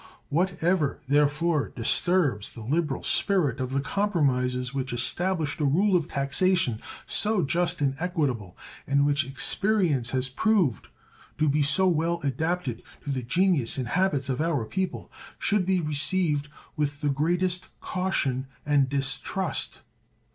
What ever, therefore, disturbs the liberal spirit of the compromises which established a rule of taxation so just and equitable, and which experience has proved to be so well adapted to the genius and habits of our people, should be received with the greatest caution and distrust.